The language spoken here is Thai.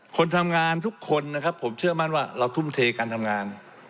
คนทำงานทุกคนนะครับผมเชื่อมั่นว่าเราทุ่มเทการทำงาน